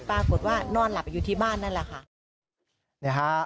ปรากฏว่านอนหลับอยู่ที่บ้านนั่นแหละค่ะ